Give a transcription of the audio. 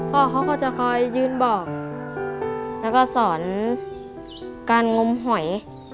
พ่อเขาก็จะคอยยืนบอกแล้วก็สอนการงมหอย